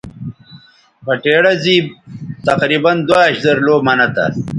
بٹیڑہ زِیب تقریباً دواش زر لَو منہ تھا